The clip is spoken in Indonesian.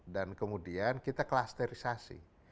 dan kemudian kita klasterisasi